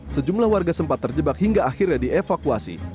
sejumlah warga sempat terjebak hingga akhirnya dievakuasi